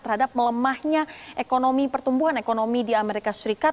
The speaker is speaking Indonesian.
terhadap melemahnya ekonomi pertumbuhan ekonomi di amerika serikat